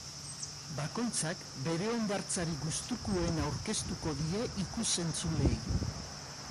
Bakoitzak, bere hondartzarik gustukoena aurkeztuko die ikus-entzuleei.